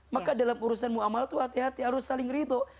maka dalam urusan mu'amal tuh hati hati harus saling rido